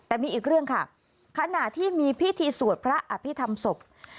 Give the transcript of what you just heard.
แต่มีอีกเรื่องค่ะขณะที่มีพิธีสวดพระอภิษฐรรมศพ